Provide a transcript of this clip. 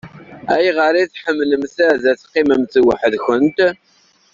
Ayɣer i tḥemmlemt ad teqqimemt weḥd-nkent?